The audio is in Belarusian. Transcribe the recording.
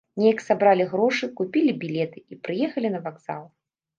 Неяк сабралі грошы, купілі білеты і прыехалі на вакзал.